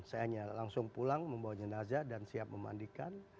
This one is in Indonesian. saya hanya langsung pulang membawa jenazah dan siap memandikan